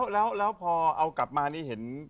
แล้วพอเอากลับมานี่เห็น